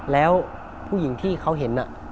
แล้วผู้หญิงที่เขาเห็น